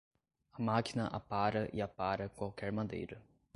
A máquina apara e apara qualquer madeira.